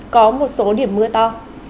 có một số điểm mưa to